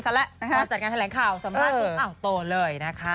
พอจัดงานแถลงข่าวสัมภาษณ์กันเองโตเลยนะครับ